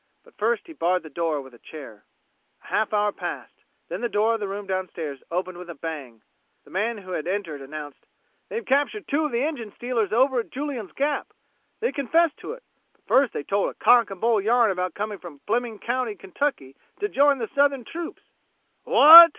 But first he barred the door with a chair. A half hour passed. Then the door of the room downstairs opened with a bang. The man who had entered announced: "They've captured two of the engine stealers over at Julian's Gap! They confessed to it, but first they told a cock and bull yarn about coming from Fleming County, Kentucky, to join the Southern troops!" "What!"